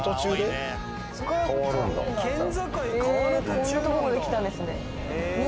こんなとこまで来たんですね。